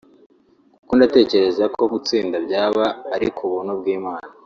kuko ndatekereza ko gutsinda byaba ari ku buntu bw’Imana